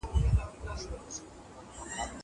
زه پرون کتابتوننۍ سره وم.